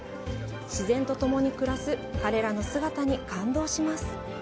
自然とともに暮らす彼らの姿に感動します。